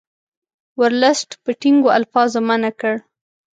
ورلسټ په ټینګو الفاظو منع کړ.